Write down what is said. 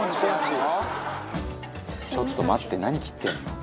「ちょっと待って何切ってるの？」